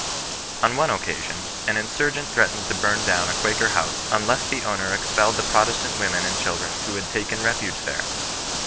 On cme occaBion, an insurgent threatened to bum ^own » Quaker house unless the owner expelled the Protestant women and ohildren iriiio had taken refuge there.